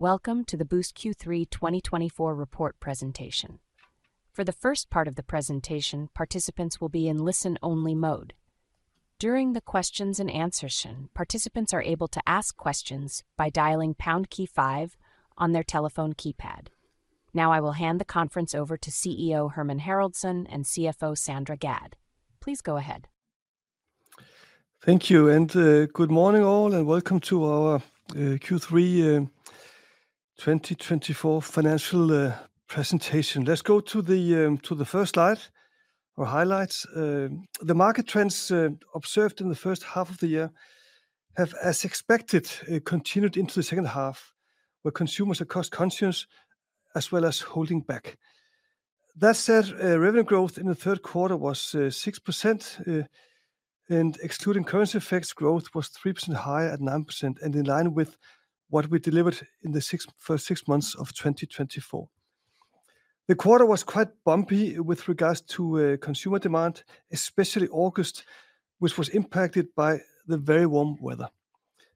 Welcome to the Boozt Q3 2024 Report Presentation. For the first part of the presentation, participants will be in listen-only mode. During the questions and answers, participants are able to ask questions by dialing pound key five` on their telephone keypad. Now I will hand the conference over to CEO Hermann Haraldsson and CFO Sandra Gadd. Please go ahead. Thank you, and good morning all, and welcome to our Q3 2024 Financial Presentation. Let's go to the first slide, our highlights. The market trends observed in the first half of the year have, as expected, continued into the second half, where consumers are conscientious as well as holding back. That said, revenue growth in the Q3 was 6%, and excluding currency effects, growth was 3% higher at 9%, and in line with what we delivered in the first six months of 2024. The quarter was quite bumpy with regards to consumer demand, especially August, which was impacted by the very warm weather.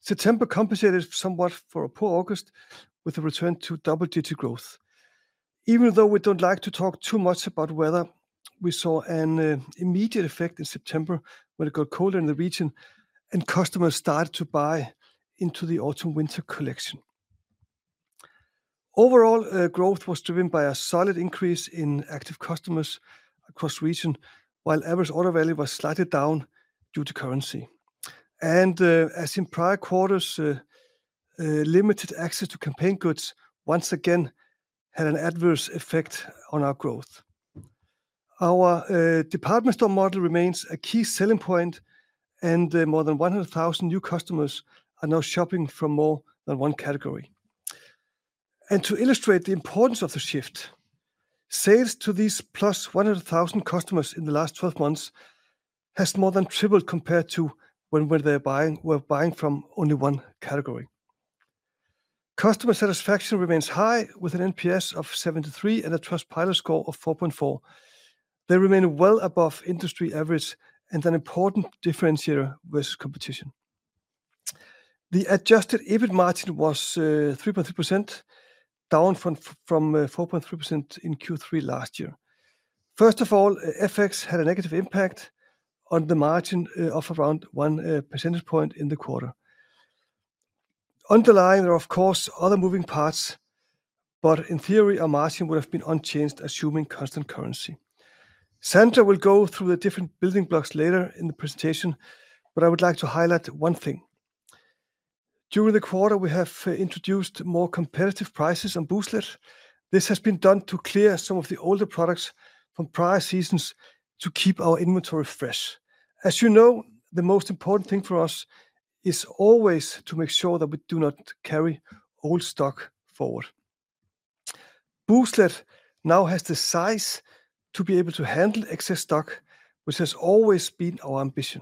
September compensated somewhat for a poor August, with a return to double-digit growth. Even though we don't like to talk too much about weather, we saw an immediate effect in September when it got colder in the region, and customers started to buy into the autumn-winter collection. Overall, growth was driven by a solid increase in active customers across the region, while average order value was slightly down due to currency, and as in prior quarters, limited access to campaign goods once again had an adverse effect on our growth. Our department store model remains a key selling point, and more than 100,000 new customers are now shopping from more than one category, and to illustrate the importance of the shift, sales to these plus 100,000 customers in the last 12 months has more than tripled compared to when they were buying from only one category. Customer satisfaction remains high, with an NPS of 73 and a Trustpilot score of 4.4. They remain well above industry average and an important differentiator versus competition. The Adjusted EBIT margin was 3.3%, down from 4.3% in Q3 last year. First of all, FX had a negative impact on the margin of around one percentage point in the quarter. Underlying there are, of course, other moving parts, but in theory, our margin would have been unchanged, assuming constant currency. Sandra will go through the different building blocks later in the presentation, but I would like to highlight one thing. During the quarter, we have introduced more competitive prices on Booztlet. This has been done to clear some of the older products from prior seasons to keep our inventory fresh. As you know, the most important thing for us is always to make sure that we do not carry old stock forward. Booztlet now has the size to be able to handle excess stock, which has always been our ambition.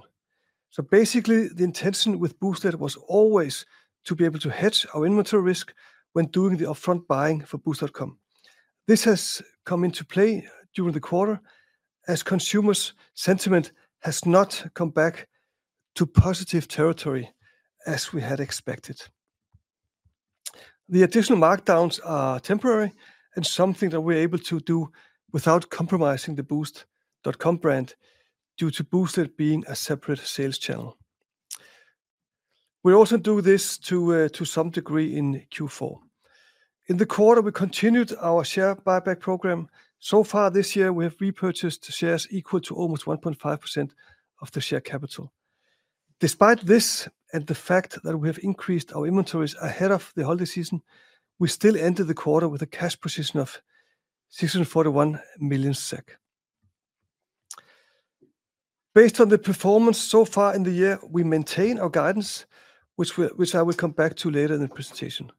So basically, the intention with Booztlet was always to be able to hedge our inventory risk when doing the upfront buying for Boozt.com. This has come into play during the quarter as consumers' sentiment has not come back to positive territory as we had expected. The additional markdowns are temporary and something that we're able to do without compromising the Boozt.com brand due to Booztlet being a separate sales channel. We also do this to some degree in Q4. In the quarter, we continued our share buyback program. So far this year, we have repurchased shares equal to almost 1.5% of the share capital. Despite this and the fact that we have increased our inventories ahead of the holiday season, we still ended the quarter with a cash position of 641 million SEK. Based on the performance so far in the year, we maintain our guidance, which I will come back to later in the presentation.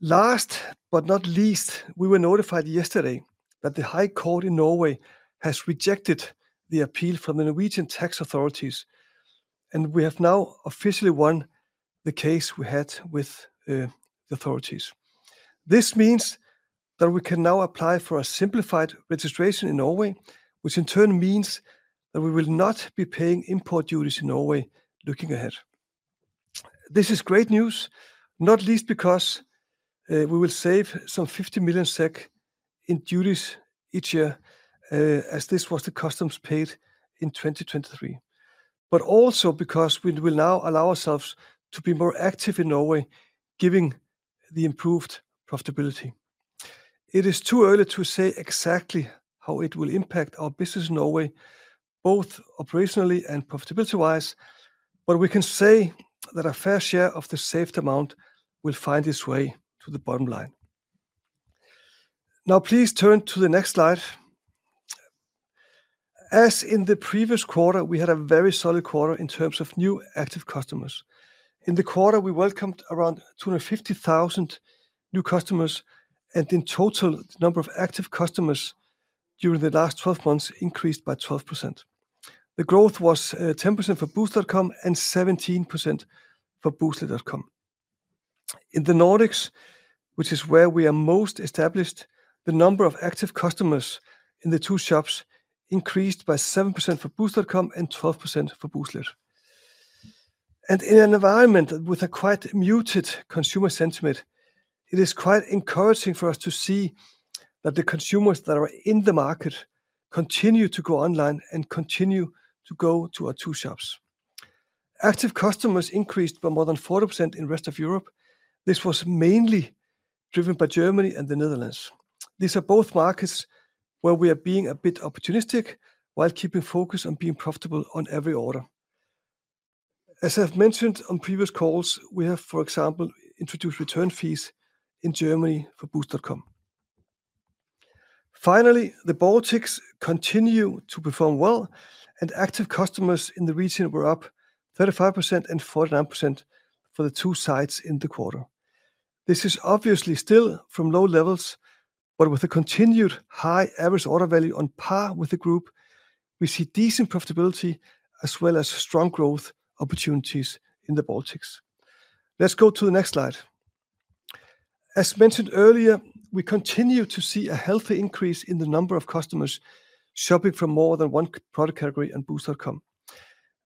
Last but not least, we were notified yesterday that the High Court in Norway has rejected the appeal from the Norwegian tax authorities, and we have now officially won the case we had with the authorities. This means that we can now apply for a simplified registration in Norway, which in turn means that we will not be paying import duties in Norway looking ahead. This is great news, not least because we will save some 50 million SEK in duties each year, as this was the customs paid in 2023, but also because we will now allow ourselves to be more active in Norway, giving the improved profitability. It is too early to say exactly how it will impact our business in Norway, both operationally and profitability-wise, but we can say that a fair share of the saved amount will find its way to the bottom line. Now, please turn to the next slide. As in the previous quarter, we had a very solid quarter in terms of new active customers. In the quarter, we welcomed around 250,000 new customers, and in total, the number of active customers during the last 12 months increased by 12%. The growth was 10% for Boozt.com and 17% for Booztlet.com. In the Nordics, which is where we are most established, the number of active customers in the two shops increased by 7% for Boozt.com and 12% for Booztlet. And in an environment with a quite muted consumer sentiment, it is quite encouraging for us to see that the consumers that are in the market continue to go online and continue to go to our two shops. Active customers increased by more than 40% in the rest of Europe. This was mainly driven by Germany and the Netherlands. These are both markets where we are being a bit opportunistic while keeping focus on being profitable on every order. As I've mentioned on previous calls, we have, for example, introduced return fees in Germany for Boozt.com. Finally, the Baltics continue to perform well, and active customers in the region were up 35% and 49% for the two sides in the quarter. This is obviously still from low levels, but with a continued high average order value on par with the group, we see decent profitability as well as strong growth opportunities in the Baltics. Let's go to the next slide. As mentioned earlier, we continue to see a healthy increase in the number of customers shopping from more than one product category on Boozt.com.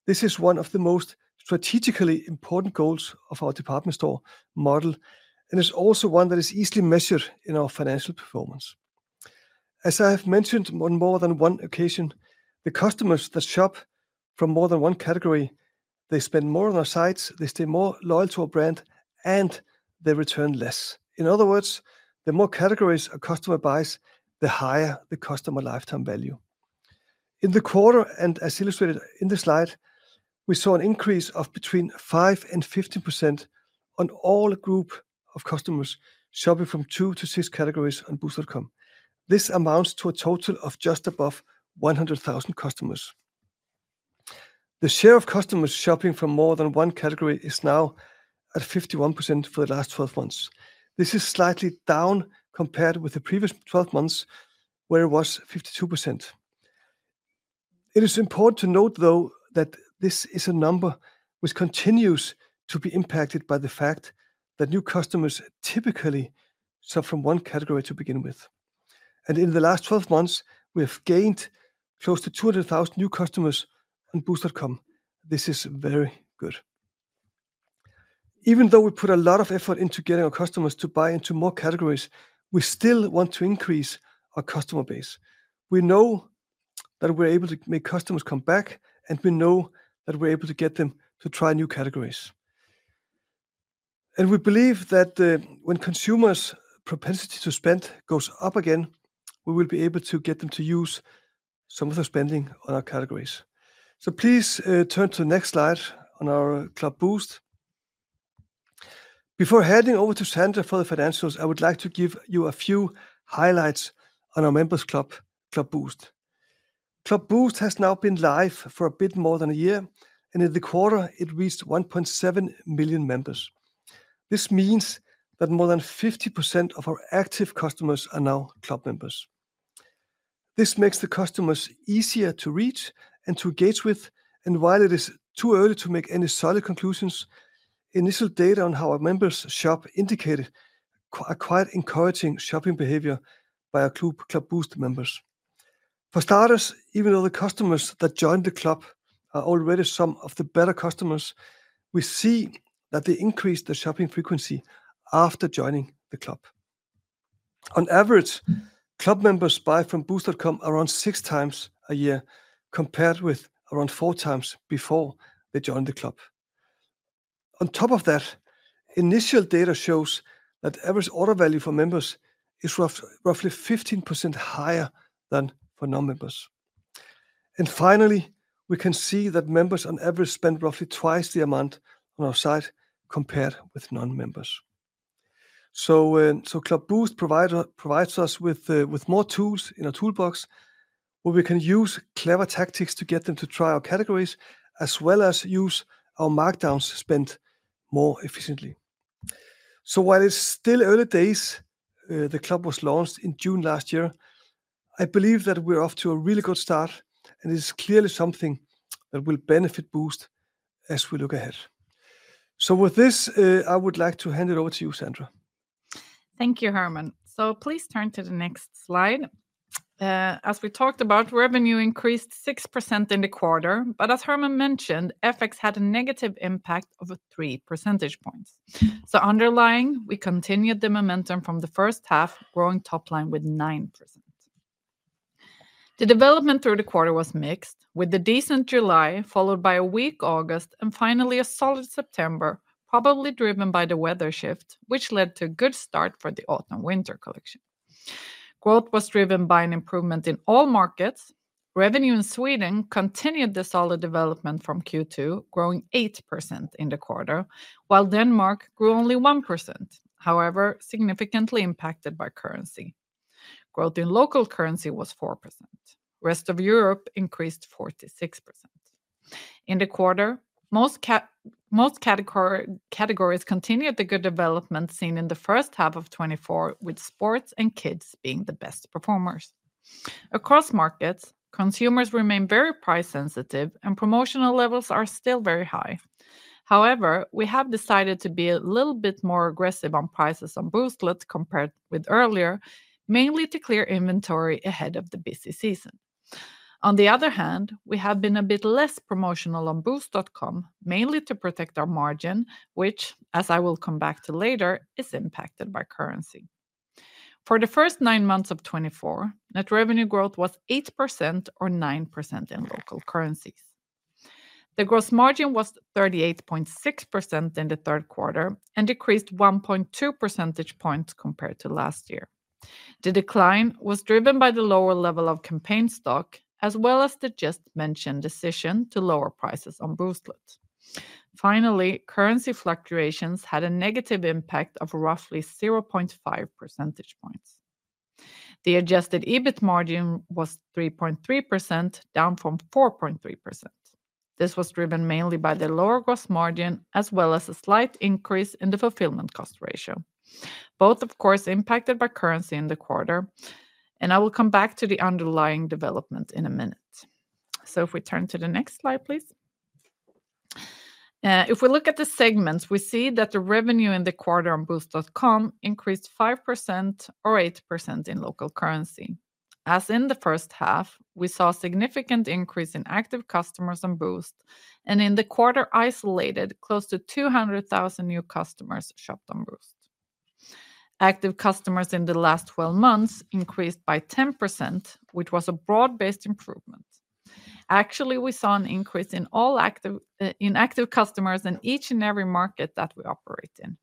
This is one of the most strategically important goals of our department store model, and it's also one that is easily measured in our financial performance. As I have mentioned on more than one occasion, the customers that shop from more than one category, they spend more on our sites, they stay more loyal to our brand, and they return less. In other words, the more categories a customer buys, the higher the customer lifetime value. In the quarter, and as illustrated in the slide, we saw an increase of between 5% and 15% on all groups of customers shopping from two to six categories on Boozt.com. This amounts to a total of just above 100,000 customers. The share of customers shopping from more than one category is now at 51% for the last 12 months. This is slightly down compared with the previous 12 months, where it was 52%. It is important to note, though, that this is a number which continues to be impacted by the fact that new customers typically shop from one category to begin with, and in the last 12 months, we have gained close to 200,000 new customers on Boozt.com. This is very good. Even though we put a lot of effort into getting our customers to buy into more categories, we still want to increase our customer base. We know that we're able to make customers come back, and we know that we're able to get them to try new categories, and we believe that when consumers' propensity to spend goes up again, we will be able to get them to use some of their spending on our categories, so please turn to the next slide on our Club Boozt. Before handing over to Sandra for the financials, I would like to give you a few highlights on our members' club, Club Boozt. Club Boozt has now been live for a bit more than a year, and in the quarter, it reached 1.7 million members. This means that more than 50% of our active customers are now club members. This makes the customers easier to reach and to engage with, and while it is too early to make any solid conclusions, initial data on how our members shop indicated quite encouraging shopping behavior by our Club Boozt members. For starters, even though the customers that joined the club are already some of the better customers, we see that they increased their shopping frequency after joining the club. On average, club members buy from Boozt.com around six times a year compared with around four times before they joined the club. On top of that, initial data shows that average order value for members is roughly 15% higher than for non-members. And finally, we can see that members on average spend roughly twice the amount on our site compared with non-members. So Club Boozt provides us with more tools in our toolbox, where we can use clever tactics to get them to try our categories, as well as use our markdowns spent more efficiently. So while it's still early days, the club was launched in June last year, I believe that we're off to a really good start, and it is clearly something that will benefit Boozt as we look ahead. So with this, I would like to hand it over to you, Sandra. Thank you, Hermann. So please turn to the next slide. As we talked about, revenue increased 6% in the quarter, but as Hermann mentioned, FX had a negative impact of 3 percentage points. So underlying, we continued the momentum from the first half, growing top line with 9%. The development through the quarter was mixed, with a decent July followed by a weak August, and finally a solid September, probably driven by the weather shift, which led to a good start for the autumn-winter collection. Growth was driven by an improvement in all markets. Revenue in Sweden continued the solid development from Q2, growing 8% in the quarter, while Denmark grew only 1%, however significantly impacted by currency. Growth in local currency was 4%. The rest of Europe increased 46%. In the quarter, most categories continued the good development seen in the first half of 2024, with sports and kids being the best performers. Across markets, consumers remain very price-sensitive, and promotional levels are still very high. However, we have decided to be a little bit more aggressive on prices on Booztlet compared with earlier, mainly to clear inventory ahead of the busy season. On the other hand, we have been a bit less promotional on Boozt.com, mainly to protect our margin, which, as I will come back to later, is impacted by currency. For the first nine months of 2024, net revenue growth was 8% or 9% in local currencies. The gross margin was 38.6% in the Q3 and decreased 1.2 percentage points compared to last year. The decline was driven by the lower level of campaign stock, as well as the just-mentioned decision to lower prices on Booztlet. Finally, currency fluctuations had a negative impact of roughly 0.5 percentage points. The adjusted EBIT margin was 3.3%, down from 4.3%. This was driven mainly by the lower gross margin, as well as a slight increase in the fulfillment cost ratio. Both, of course, impacted by currency in the quarter, and I will come back to the underlying development in a minute. So if we turn to the next slide, please. If we look at the segments, we see that the revenue in the quarter on Boozt.com increased 5% or 8% in local currency. As in the first half, we saw a significant increase in active customers on Boozt, and in the quarter isolated, close to 200,000 new customers shopped on Boozt. Active customers in the last 12 months increased by 10%, which was a broad-based improvement. Actually, we saw an increase in all active customers in each and every market that we operate in.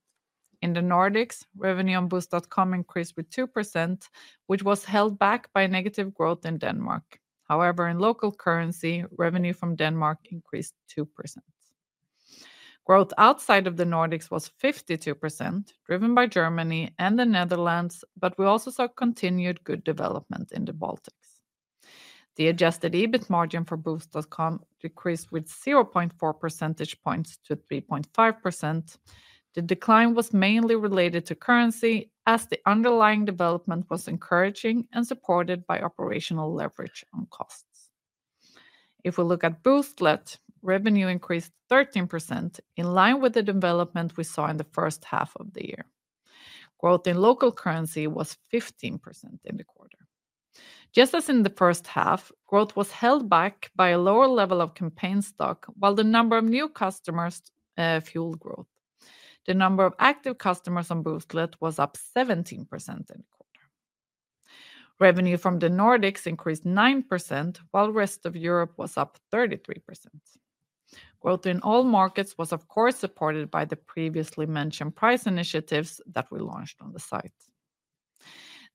In the Nordics, revenue on Boozt.com increased with 2%, which was held back by negative growth in Denmark. However, in local currency, revenue from Denmark increased 2%. Growth outside of the Nordics was 52%, driven by Germany and the Netherlands, but we also saw continued good development in the Baltics. The adjusted EBIT margin for Boozt.com decreased with 0.4 percentage points to 3.5%. The decline was mainly related to currency, as the underlying development was encouraging and supported by operational leverage on costs. If we look at Booztlet, revenue increased 13%, in line with the development we saw in the first half of the year. Growth in local currency was 15% in the quarter. Just as in the first half, growth was held back by a lower level of campaign stock, while the number of new customers fueled growth. The number of active customers on Booztlet was up 17% in the quarter. Revenue from the Nordics increased 9%, while the rest of Europe was up 33%. Growth in all markets was, of course, supported by the previously mentioned price initiatives that we launched on the site.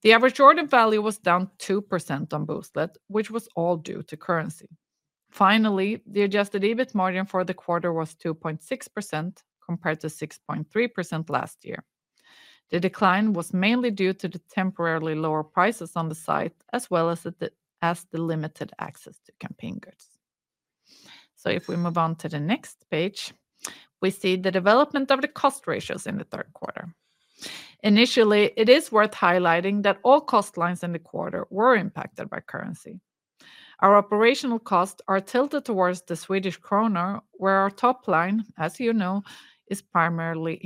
The average order value was down 2% on Booztlet, which was all due to currency. Finally, the adjusted EBIT margin for the quarter was 2.6% compared to 6.3% last year. The decline was mainly due to the temporarily lower prices on the site, as well as the limited access to campaign goods. So if we move on to the next page, we see the development of the cost ratios in the Q3. Initially, it is worth highlighting that all cost lines in the quarter were impacted by currency. Our operational costs are tilted towards the Swedish krona, where our top line, as you know, is primarily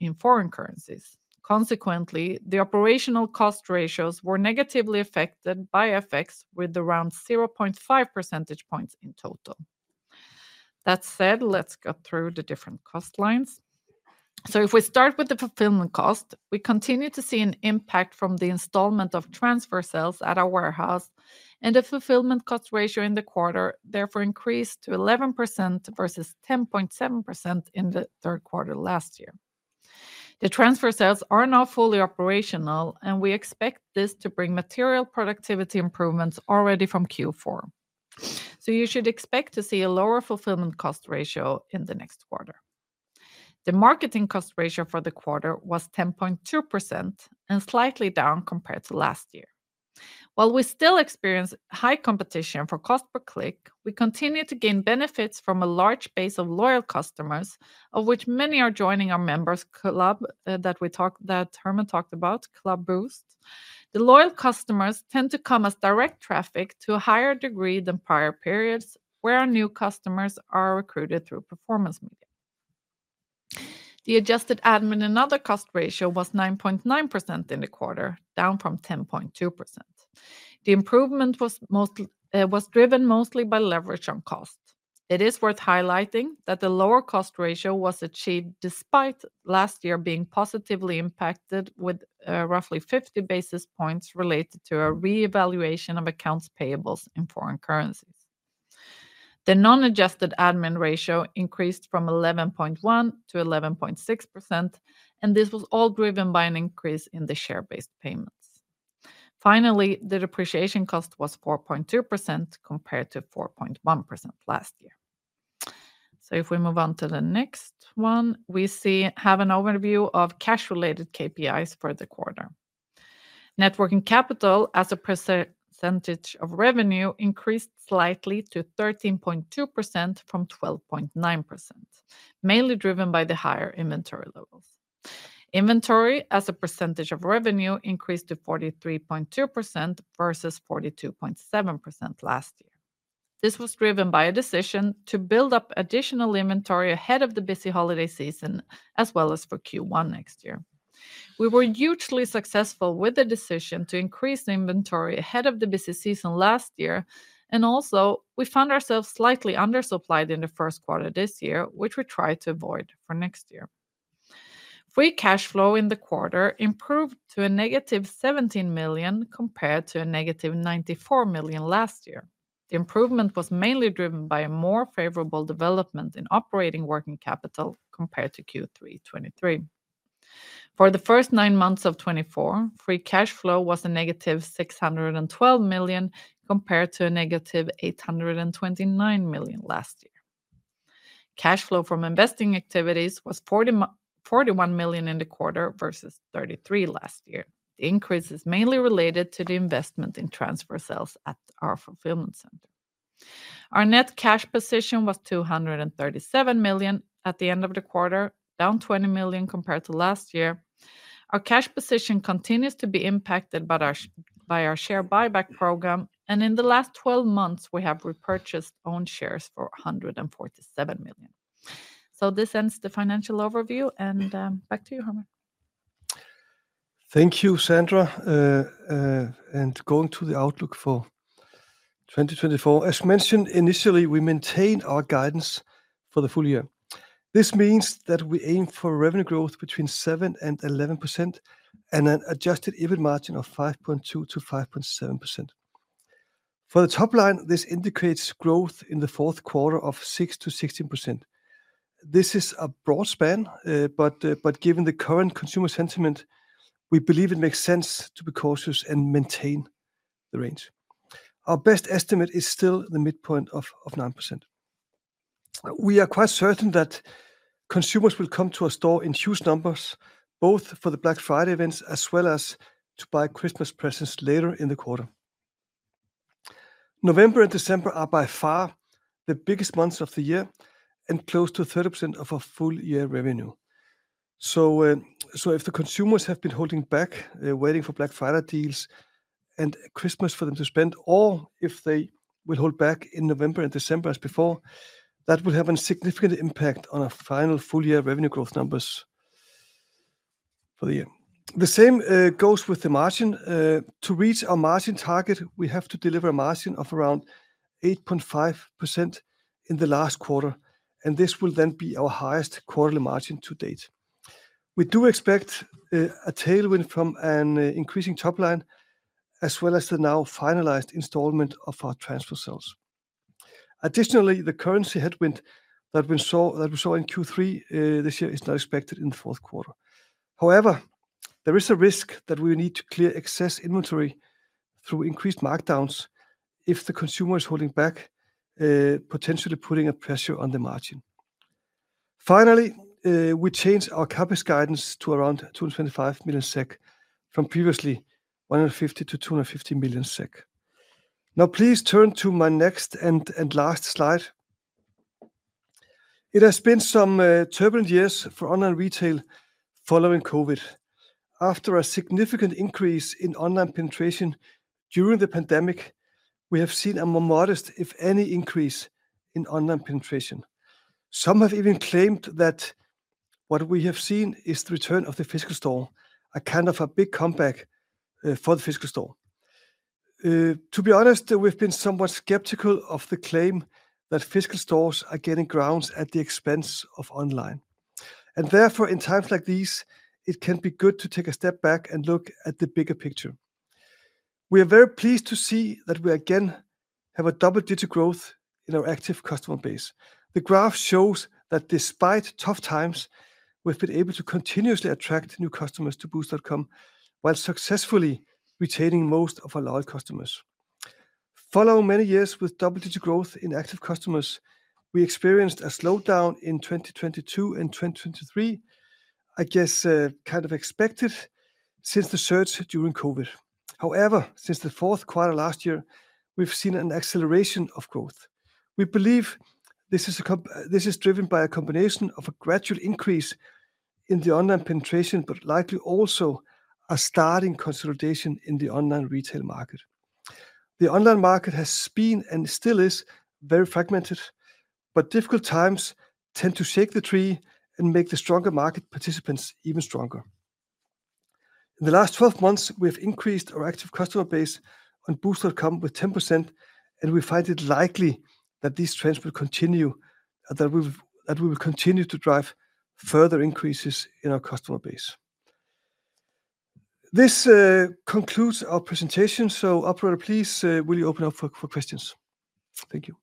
in foreign currencies. Consequently, the operational cost ratios were negatively affected by FX, with around 0.5 percentage points in total. That said, let's go through the different cost lines. So if we start with the fulfillment cost, we continue to see an impact from the installation of transfer cells at our warehouse, and the fulfillment cost ratio in the quarter therefore increased to 11% versus 10.7% in the Q3 last year. The transfer cells are now fully operational, and we expect this to bring material productivity improvements already from Q4. So you should expect to see a lower fulfillment cost ratio in the next quarter. The marketing cost ratio for the quarter was 10.2% and slightly down compared to last year. While we still experience high competition for cost per click, we continue to gain benefits from a large base of loyal customers, of which many are joining our members' club that Hermann talked about, Club Boozt. The loyal customers tend to come as direct traffic to a higher degree than prior periods, where our new customers are recruited through performance media. The adjusted admin and other cost ratio was 9.9% in the quarter, down from 10.2%. The improvement was driven mostly by leverage on cost. It is worth highlighting that the lower cost ratio was achieved despite last year being positively impacted with roughly 50 basis points related to a reevaluation of accounts payables in foreign currencies. The non-adjusted admin ratio increased from 11.1% to 11.6%, and this was all driven by an increase in the share-based payments. Finally, the depreciation cost was 4.2% compared to 4.1% last year. So if we move on to the next one, we have an overview of cash-related KPIs for the quarter. Net working capital as a percentage of revenue increased slightly to 13.2% from 12.9%, mainly driven by the higher inventory levels. Inventory as a percentage of revenue increased to 43.2% versus 42.7% last year. This was driven by a decision to build up additional inventory ahead of the busy holiday season, as well as for Q1 next year. We were hugely successful with the decision to increase the inventory ahead of the busy season last year, and also, we found ourselves slightly undersupplied in the Q1 this year, which we tried to avoid for next year. Free cash flow in the quarter improved to a negative 17 million compared to a negative 94 million last year. The improvement was mainly driven by a more favorable development in operating working capital compared to Q3 2023. For the first nine months of 2024, free cash flow was a negative 612 million compared to a negative 829 million last year. Cash flow from investing activities was 41 million in the quarter versus 33 million last year. The increase is mainly related to the investment in transfer cells at our fulfillment center. Our net cash position was 237 million at the end of the quarter, down 20 million compared to last year. Our cash position continues to be impacted by our share buyback program, and in the last 12 months, we have repurchased own shares for 147 million. So this ends the financial overview, and back to you, Hermann. Thank you, Sandra, and going to the outlook for 2024. As mentioned initially, we maintain our guidance for the full year. This means that we aim for revenue growth between 7% and 11% and an adjusted EBIT margin of 5.2% to 5.7%. For the top line, this indicates growth in the Q4 of 6% to 16%. This is a broad span, but given the current consumer sentiment, we believe it makes sense to be cautious and maintain the range. Our best estimate is still the midpoint of 9%. We are quite certain that consumers will come to our store in huge numbers, both for the Black Friday events as well as to buy Christmas presents later in the quarter. November and December are by far the biggest months of the year and close to 30% of our full-year revenue. If the consumers have been holding back, waiting for Black Friday deals and Christmas for them to spend, or if they will hold back in November and December as before, that will have a significant impact on our final full-year revenue growth numbers for the year. The same goes with the margin. To reach our margin target, we have to deliver a margin of around 8.5% in the last quarter, and this will then be our highest quarterly margin to date. We do expect a tailwind from an increasing top line, as well as the now finalized installment of our transfer cells. Additionally, the currency headwind that we saw in Q3 this year is not expected in the Q4. However, there is a risk that we need to clear excess inventory through increased markdowns if the consumer is holding back, potentially putting pressure on the margin. Finally, we changed our CapEx guidance to around 225 million SEK from previously 150-250 million SEK. Now, please turn to my next and last slide. It has been some turbulent years for online retail following COVID. After a significant increase in online penetration during the pandemic, we have seen a modest, if any, increase in online penetration. Some have even claimed that what we have seen is the return of the physical store, a kind of a big comeback for the physical store. To be honest, we've been somewhat skeptical of the claim that physical stores are gaining ground at the expense of online. And therefore, in times like these, it can be good to take a step back and look at the bigger picture. We are very pleased to see that we again have a double-digit growth in our active customer base. The graph shows that despite tough times, we've been able to continuously attract new customers to Boozt.com while successfully retaining most of our loyal customers. Following many years with double-digit growth in active customers, we experienced a slowdown in 2022 and 2023, I guess kind of expected since the surge during COVID. However, since the Q4 last year, we've seen an acceleration of growth. We believe this is driven by a combination of a gradual increase in the online penetration, but likely also a starting consolidation in the online retail market. The online market has been and still is very fragmented, but difficult times tend to shake the tree and make the stronger market participants even stronger. In the last 12 months, we have increased our active customer base on Boozt.com with 10%, and we find it likely that these trends will continue to drive further increases in our customer base. This concludes our presentation. Operator, please, will you open up for questions? Thank you.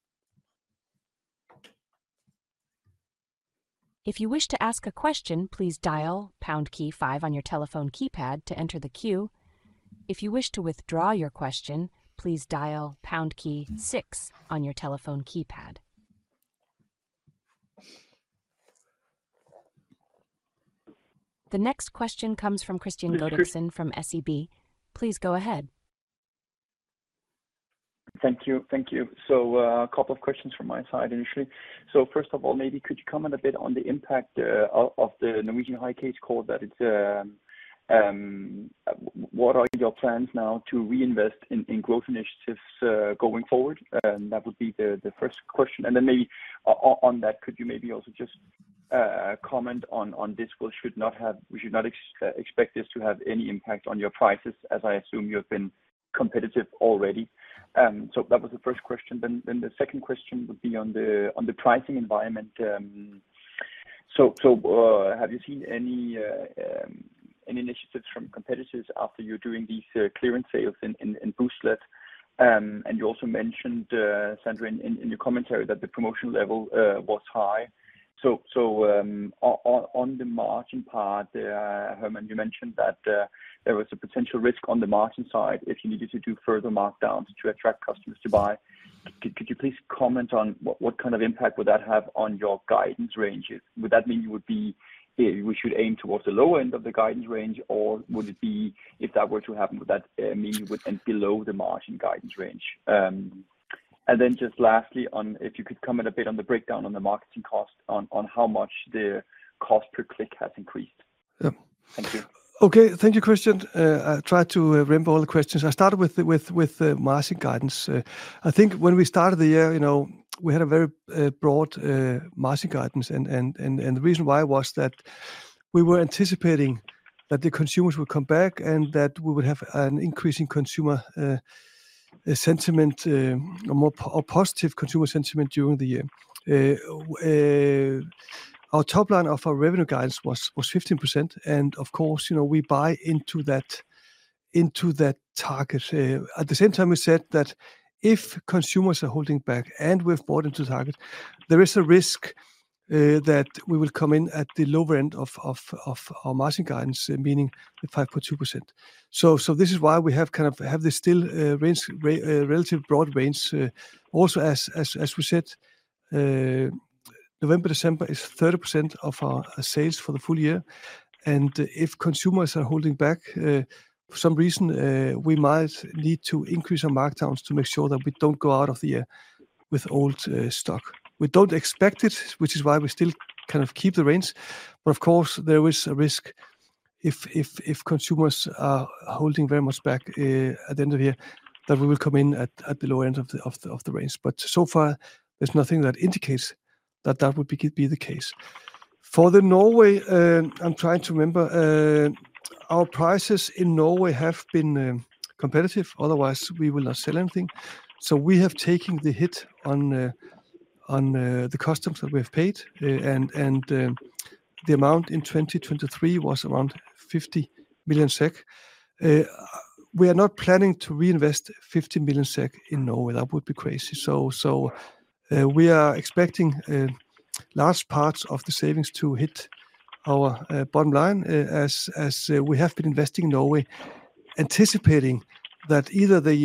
If you wish to ask a question, please dial pound key five on your telephone keypad to enter the queue. If you wish to withdraw your question, please dial pound key six on your telephone keypad. The next question comes from Christian Godiksen from SEB. Please go ahead. Thank you. Thank you. So a couple of questions from my side initially. So first of all, maybe could you comment a bit on the impact of the Norwegian High Court ruling. What are your plans now to reinvest in growth initiatives going forward? That would be the first question. And then maybe on that, could you maybe also just comment on this? We should not expect this to have any impact on your prices, as I assume you have been competitive already. So that was the first question. Then the second question would be on the pricing environment. So have you seen any initiatives from competitors after you're doing these clearance sales in Booztlet? And you also mentioned, Sandra, in your commentary that the promotion level was high. On the margin part, Hermann, you mentioned that there was a potential risk on the margin side if you needed to do further markdowns to attract customers to buy. Could you please comment on what kind of impact would that have on your guidance ranges? Would that mean you would be we should aim towards the lower end of the guidance range, or would it be if that were to happen, would that mean you would end below the margin guidance range? And then just lastly, if you could comment a bit on the breakdown on the marketing cost, on how much the cost per click has increased. Thank you. Okay. Thank you, Christian. I tried to remember all the questions. I started with the margin guidance. I think when we started the year, we had a very broad margin guidance, and the reason why was that we were anticipating that the consumers would come back and that we would have an increasing consumer sentiment, a more positive consumer sentiment during the year. Our top line of our revenue guidance was 15%, and of course, we buy into that target. At the same time, we said that if consumers are holding back and we've bought into the target, there is a risk that we will come in at the lower end of our margin guidance, meaning the 5.2%. So this is why we have kind of this still relatively broad range. Also, as we said, November, December is 30% of our sales for the full year. If consumers are holding back, for some reason, we might need to increase our markdowns to make sure that we don't go out of the year with old stock. We don't expect it, which is why we still kind of keep the range. Of course, there is a risk if consumers are holding very much back at the end of the year that we will come in at the lower end of the range. So far, there's nothing that indicates that that would be the case. For Norway, I'm trying to remember our prices in Norway have been competitive. Otherwise, we will not sell anything. We have taken the hit on the customs that we have paid, and the amount in 2023 was around 50 million SEK. We are not planning to reinvest 50 million SEK in Norway. That would be crazy. We are expecting large parts of the savings to hit our bottom line as we have been investing in Norway, anticipating that either the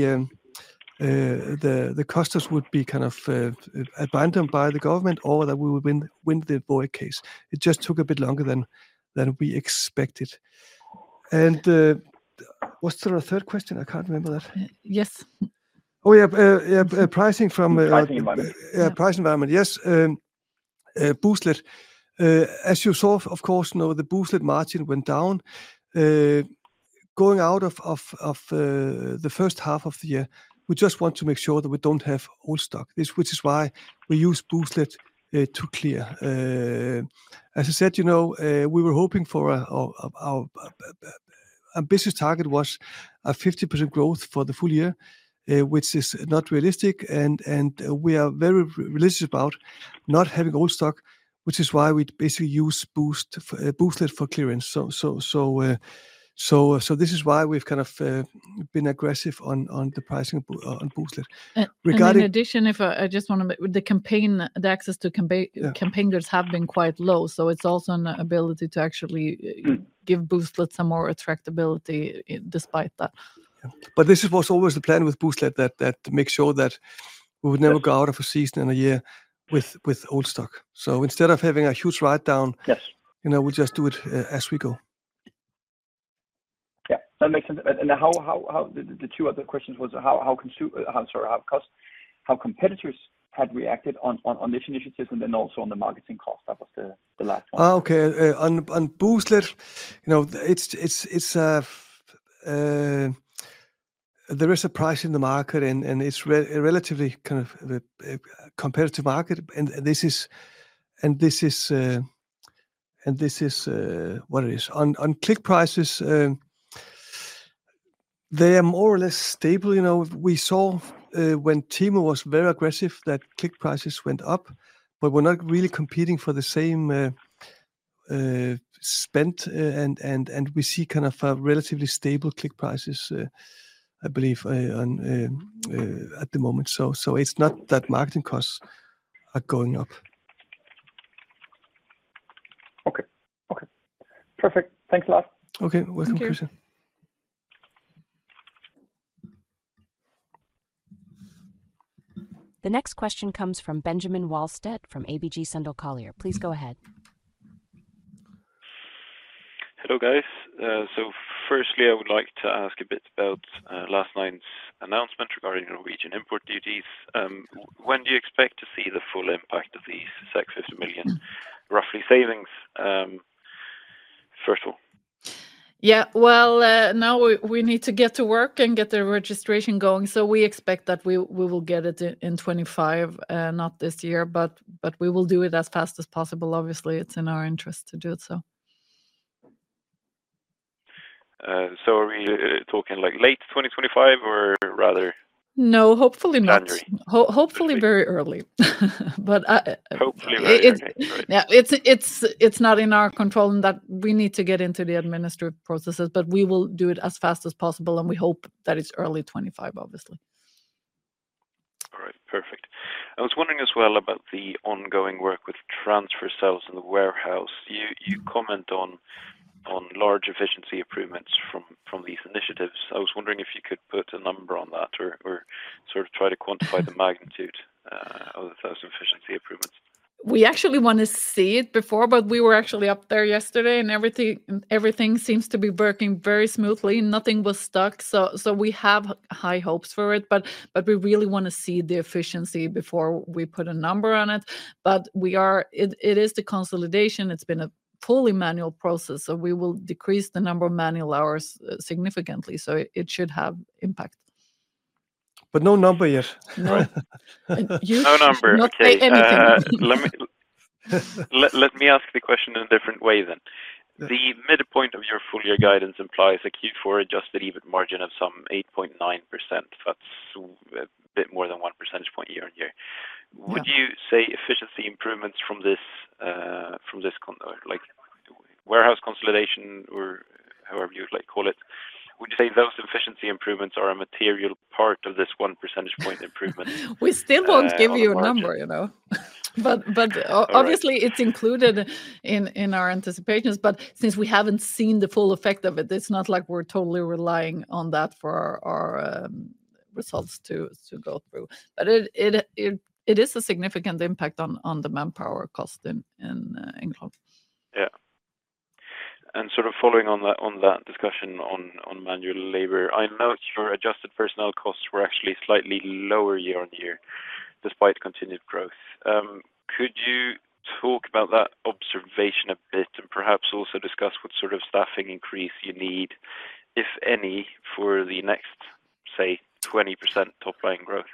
customs would be kind of abandoned by the government or that we would win the VOEC case. It just took a bit longer than we expected. Was there a third question? I can't remember that. Yes. Oh, yeah. Pricing from. Pricing environment. Pricing environment, yes. Booztlet. As you saw, of course, the Booztlet margin went down. Going out of the first half of the year, we just want to make sure that we don't have old stock, which is why we use Booztlet to clear. As I said, we were hoping for our ambitious target was a 50% growth for the full year, which is not realistic, and we are very religious about not having old stock, which is why we basically use Booztlet for clearance. So this is why we've kind of been aggressive on the pricing on Booztlet. In addition, I just want to the campaign. The access to campaigners have been quite low, so it's also an ability to actually give Booztlet some more attractiveness despite that. But this was always the plan with Booztlet, that make sure that we would never go out of a season in a year with old stock. So instead of having a huge write-down, we'll just do it as we go. Yeah, that makes sense. And the two other questions was how competitors had reacted on these initiatives and then also on the marketing cost. That was the last one. Okay. On Booztlet, there is a price in the market, and it's relatively kind of a competitive market, and this is what it is. On click prices, they are more or less stable. We saw when Temu was very aggressive that click prices went up, but we're not really competing for the same spend, and we see kind of relatively stable click prices, I believe, at the moment. So it's not that marketing costs are going up. Okay. Okay. Perfect. Thanks a lot. Okay. Well done, Christian. The next question comes from Benjamin Wahlstedt from ABG Sundal Collier. Please go ahead. Hello, guys. So firstly, I would like to ask a bit about last night's announcement regarding Norwegian import duties. When do you expect to see the full impact of these roughly 650 million savings, first of all? Yeah, well, now we need to get to work and get the registration going. So we expect that we will get it in 2025, not this year, but we will do it as fast as possible. Obviously, it's in our interest to do it, so. Talking like late 2025 or rather? No, hopefully not. Hopefully very early, but. Hopefully early. Yeah, it's not in our control and that we need to get into the administrative processes, but we will do it as fast as possible, and we hope that it's early 2025, obviously. All right. Perfect. I was wondering as well about the ongoing work with transfer cells in the warehouse. You comment on large efficiency improvements from these initiatives. I was wondering if you could put a number on that or sort of try to quantify the magnitude of those efficiency improvements. We actually want to see it before, but we were actually up there yesterday, and everything seems to be working very smoothly. Nothing was stuck. So we have high hopes for it, but we really want to see the efficiency before we put a number on it. But it is the consolidation. It's been a fully manual process, so we will decrease the number of manual hours significantly. So it should have impact. But no number yet. No number. Okay. Let me ask the question in a different way then. The midpoint of your full year guidance implies a Q4 adjusted EBIT margin of some 8.9%. That's a bit more than one percentage point year on year. Would you say efficiency improvements from this warehouse consolidation or however you would call it, would you say those efficiency improvements are a material part of this one percentage point improvement? We still won't give you a number, you know? But obviously, it's included in our anticipations, but since we haven't seen the full effect of it, it's not like we're totally relying on that for our results to go through. But it is a significant impact on the manpower cost in Ängelholm. Yeah, and sort of following on that discussion on manual labor, I know your adjusted personnel costs were actually slightly lower year on year despite continued growth. Could you talk about that observation a bit and perhaps also discuss what sort of staffing increase you need, if any, for the next, say, 20% top line growth?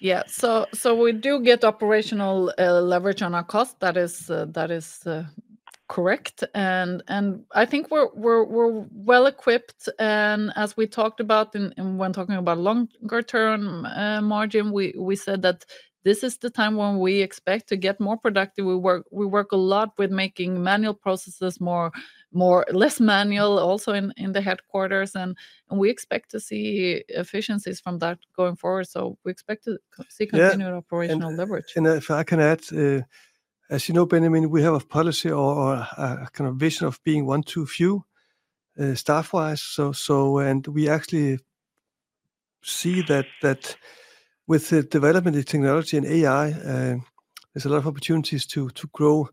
Yeah. So we do get operational leverage on our cost. That is correct. And I think we're well equipped. And as we talked about when talking about longer term margin, we said that this is the time when we expect to get more productive. We work a lot with making manual processes less manual, also in the headquarters, and we expect to see efficiencies from that going forward. So we expect to see continued operational leverage. And if I can add, as you know, Benjamin, we have a policy or a kind of vision of being one too few staff-wise. And we actually see that with the development of technology and AI, there's a lot of opportunities to grow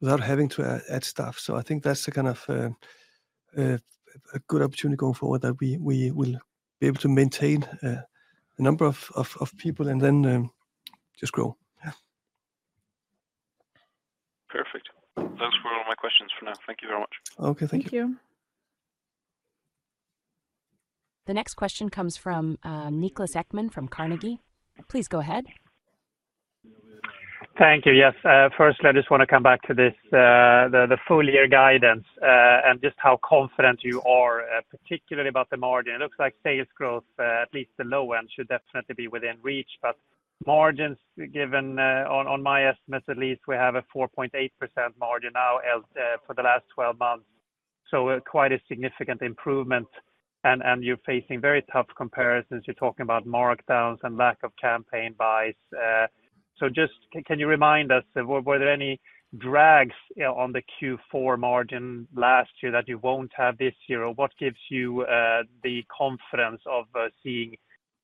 without having to add staff. So I think that's a kind of a good opportunity going forward that we will be able to maintain a number of people and then just grow. Perfect. Those were all my questions for now. Thank you very much. Okay. Thank you. Thank you. The next question comes from Niklas Ekman from Carnegie. Please go ahead. Thank you. Yes. First, I just want to come back to the full year guidance and just how confident you are, particularly about the margin. It looks like sales growth, at least the low end, should definitely be within reach, but margins, given on my estimates at least, we have a 4.8% margin now for the last 12 months. So quite a significant improvement. And you're facing very tough comparisons. You're talking about markdowns and lack of campaign buys. So just can you remind us, were there any drags on the Q4 margin last year that you won't have this year? Or what gives you the confidence of seeing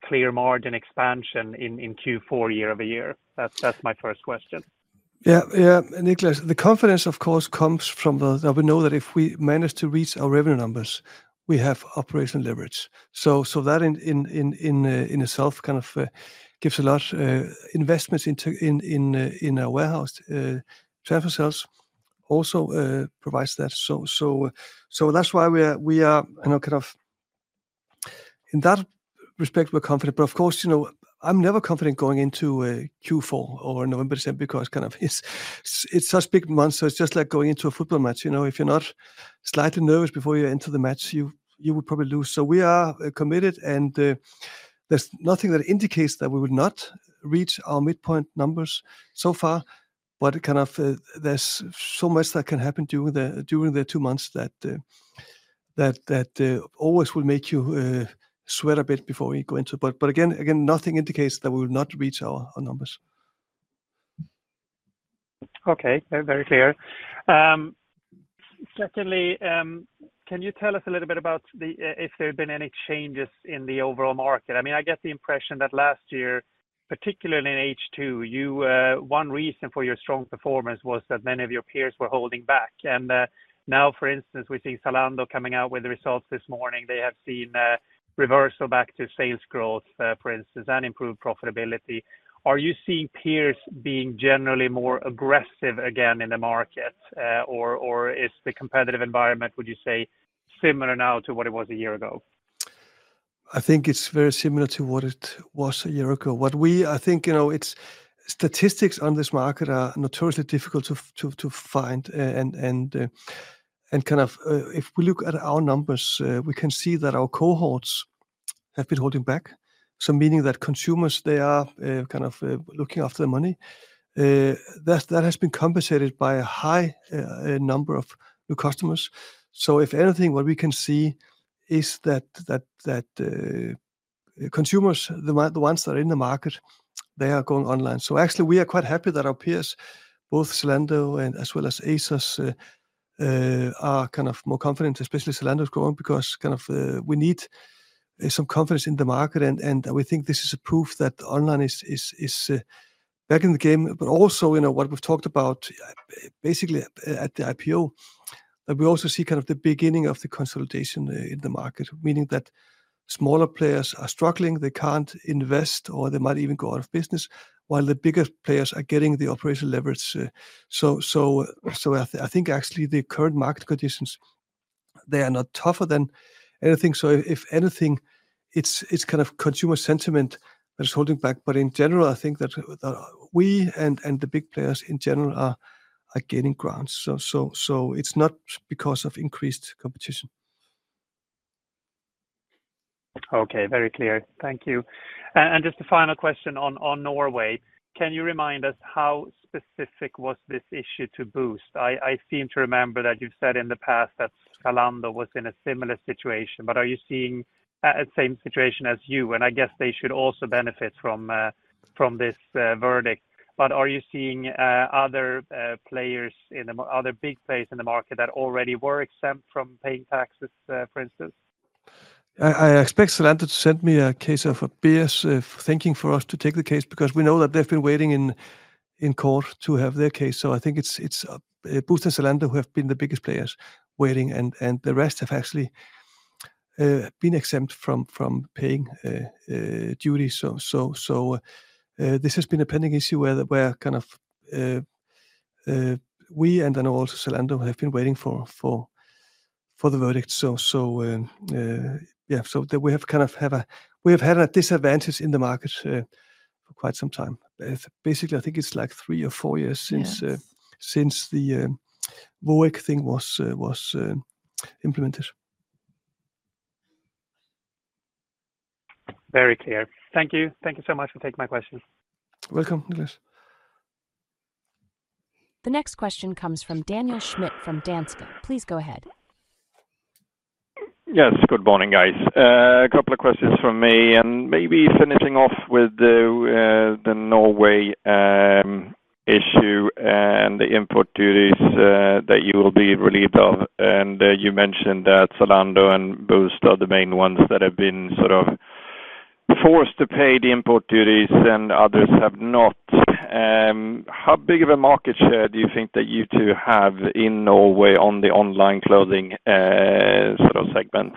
clear margin expansion in Q4 year over year? That's my first question. Yeah. Yeah. Niklas, the confidence, of course, comes from the we know that if we manage to reach our revenue numbers, we have operational leverage. So that in itself kind of gives a lot investments in our warehouse. Transfer cells also provides that. So that's why we are kind of in that respect, we're confident. But of course, I'm never confident going into Q4 or November, December because kind of it's such big months. So it's just like going into a football match. If you're not slightly nervous before you enter the match, you will probably lose. So we are committed, and there's nothing that indicates that we would not reach our midpoint numbers so far, but kind of there's so much that can happen during the two months that always will make you sweat a bit before you go into it. But again, nothing indicates that we will not reach our numbers. Okay. Very clear. Secondly, can you tell us a little bit about if there have been any changes in the overall market? I mean, I get the impression that last year, particularly in H2, one reason for your strong performance was that many of your peers were holding back. And now, for instance, we're seeing Zalando coming out with the results this morning. They have seen reversal back to sales growth, for instance, and improved profitability. Are you seeing peers being generally more aggressive again in the market? Or is the competitive environment, would you say, similar now to what it was a year ago? I think it's very similar to what it was a year ago. I think statistics on this market are notoriously difficult to find, and kind of if we look at our numbers, we can see that our cohorts have been holding back, so meaning that consumers, they are kind of looking after the money. That has been compensated by a high number of new customers, so if anything, what we can see is that consumers, the ones that are in the market, they are going online, so actually, we are quite happy that our peers, both Zalando as well as ASOS, are kind of more confident, especially Zalando is growing because kind of we need some confidence in the market, and we think this is a proof that online is back in the game. But also, what we've talked about basically at the IPO, we also see kind of the beginning of the consolidation in the market, meaning that smaller players are struggling. They can't invest or they might even go out of business while the bigger players are getting the operational leverage. So I think actually the current market conditions, they are not tougher than anything. So if anything, it's kind of consumer sentiment that is holding back. But in general, I think that we and the big players in general are gaining ground. So it's not because of increased competition. Okay. Very clear. Thank you. And just a final question on Norway. Can you remind us how specific was this issue to Boozt? I seem to remember that you've said in the past that Zalando was in a similar situation, but are you seeing a same situation as you? And I guess they should also benefit from this verdict. But are you seeing other big players in the market that already were exempt from paying taxes, for instance? I expect Zalando to send me a case of a beer, thanking for us to take the case because we know that they've been waiting in court to have their case. So I think it's Boozt and Zalando who have been the biggest players waiting, and the rest have actually been exempt from paying duties. So this has been a pending issue where kind of we and also Zalando have been waiting for the verdict. So yeah, so we have kind of had a disadvantage in the market for quite some time. Basically, I think it's like three or four years since the VOEC thing was implemented. Very clear. Thank you. Thank you so much for taking my question. Welcome, Nicholas. The next question comes from Daniel Schmidt from Danske. Please go ahead. Yes. Good morning, guys. A couple of questions from me and maybe finishing off with the Norway issue and the import duties that you will be relieved of. And you mentioned that Zalando and Boozt are the main ones that have been sort of forced to pay the import duties and others have not. How big of a market share do you think that you two have in Norway on the online clothing sort of segment?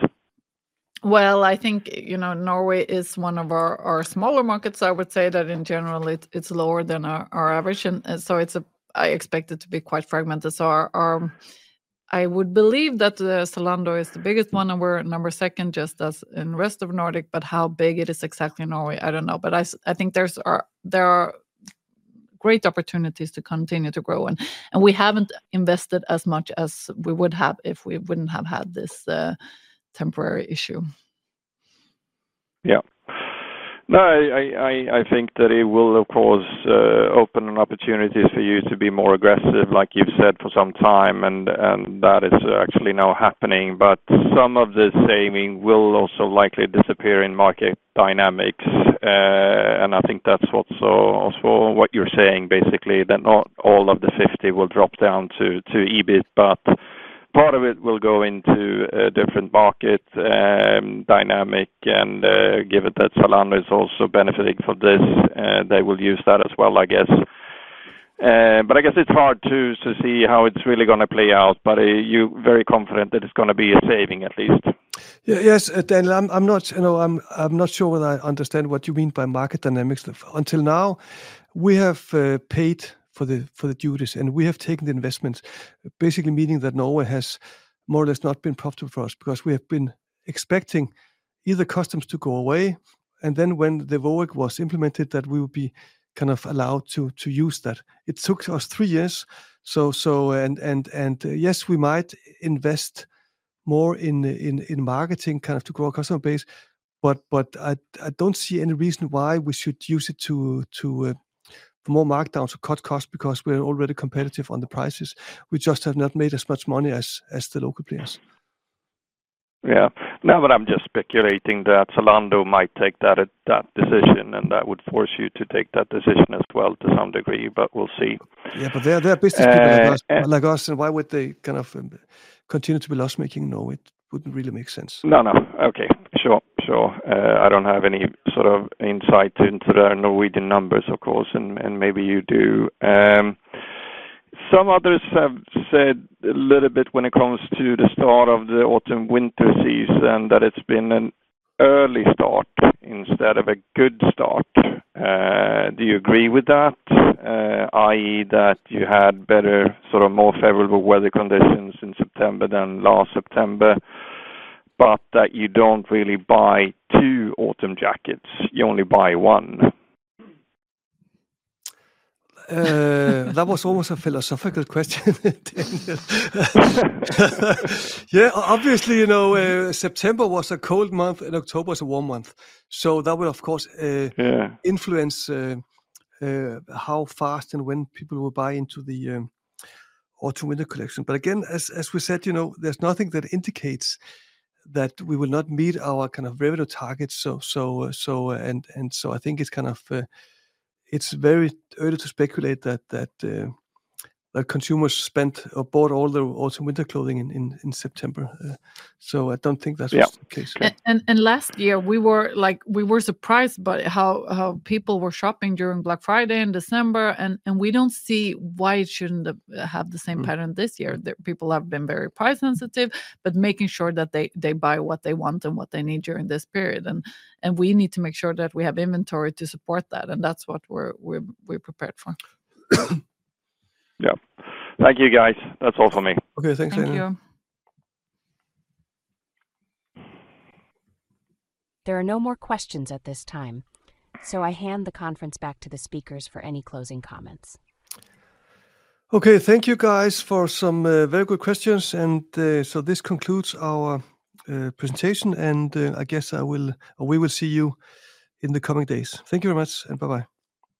I think Norway is one of our smaller markets. I would say that in general, it's lower than our average. I expect it to be quite fragmented. I would believe that Zalando is the biggest one. We're number second just as in the rest of Nordic, but how big it is exactly in Norway, I don't know. I think there are great opportunities to continue to grow. We haven't invested as much as we would have if we wouldn't have had this temporary issue. Yeah. No, I think that it will, of course, open an opportunity for you to be more aggressive, like you've said, for some time. And that is actually now happening. But some of the saving will also likely disappear in market dynamics. And I think that's also what you're saying, basically, that not all of the 50 will drop down to EBIT, but part of it will go into different market dynamic. And given that Zalando is also benefiting from this, they will use that as well, I guess. But I guess it's hard to see how it's really going to play out, but you're very confident that it's going to be a saving at least. Yes, Daniel. I'm not sure whether I understand what you mean by market dynamics. Until now, we have paid for the duties, and we have taken the investments, basically meaning that Norway has more or less not been profitable for us because we have been expecting either customs to go away, and then when the VOEC was implemented, that we would be kind of allowed to use that. It took us three years. And yes, we might invest more in marketing kind of to grow a customer base, but I don't see any reason why we should use it for more markdowns or cut costs because we're already competitive on the prices. We just have not made as much money as the local players. Yeah. No, but I'm just speculating that Zalando might take that decision, and that would force you to take that decision as well to some degree, but we'll see. Yeah, but they're business people like us. Why would they kind of continue to be loss-making? No, it wouldn't really make sense. No, no. Okay. Sure. Sure. I don't have any sort of insight into their Norwegian numbers, of course, and maybe you do. Some others have said a little bit when it comes to the start of the autumn-winter season that it's been an early start instead of a good start. Do you agree with that, i.e., that you had better, sort of more favorable weather conditions in September than last September, but that you don't really buy two autumn jackets? You only buy one? That was almost a philosophical question. Yeah. Obviously, September was a cold month and October was a warm month. So that would, of course, influence how fast and when people will buy into the autumn-winter collection. But again, as we said, there's nothing that indicates that we will not meet our kind of revenue targets. And so I think it's kind of very early to speculate that consumers spent or bought all their autumn-winter clothing in September. So I don't think that's the case. Last year, we were surprised by how people were shopping during Black Friday in December. We don't see why it shouldn't have the same pattern this year. People have been very price-sensitive, but making sure that they buy what they want and what they need during this period. We need to make sure that we have inventory to support that. That's what we're prepared for. Yeah. Thank you, guys. That's all from me. Okay. Thanks, Daniel. Thank you. There are no more questions at this time, so I hand the conference back to the speakers for any closing comments. Okay. Thank you, guys, for some very good questions. And so this concludes our presentation. And I guess we will see you in the coming days. Thank you very much, and bye-bye.